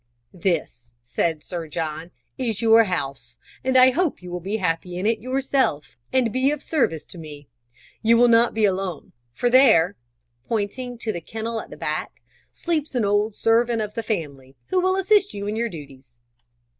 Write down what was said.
"This," said Sir John, "is your house, and I hope you will be happy in it yourself, and be of service to me. You will not be alone, for there" pointing to the kennel at the back "sleeps an old servant of the family, who will assist you in your duties."